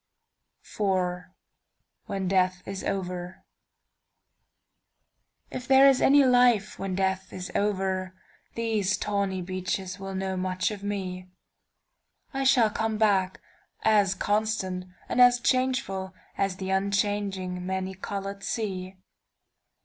IV. WHEN DEATH IS OVERIf there is any life when death is over, These tawny beaches will know much of me,I shall come back, as constant and as changefulAs the unchanging, many colored sea.